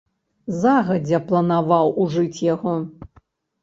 Загадзя планаваў ужыць яго?